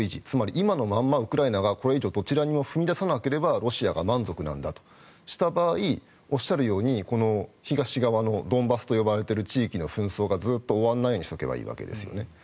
つまり、今のままウクライナがこれ以上どちらにも踏み出さなければロシアは満足なんだとした場合おっしゃるように東側のドンバスと呼ばれている地域の紛争がずっと終わらないようにしとけばいいんですね。